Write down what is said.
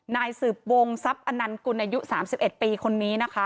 นายสืบวงทรัพย์อนันกุลอายุ๓๑ปีคนนี้นะคะ